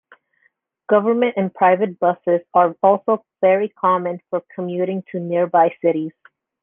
Government and private buses are also very common for commuting to nearby cities.